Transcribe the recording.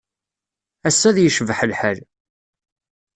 Ass-a ad yecbeḥ lḥal.